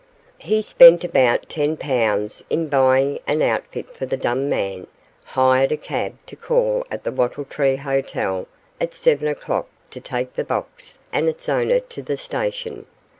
He spent about ten pounds in buying an outfit for the dumb man, hired a cab to call at the 'Wattle Tree' Hotel at seven o'clock to take the box and its owner to the station.